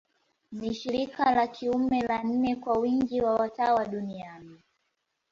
Ni shirika la kiume la nne kwa wingi wa watawa duniani.